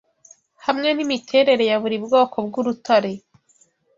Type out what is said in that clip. hamwe nimiterere yaBuri bwoko bwurutare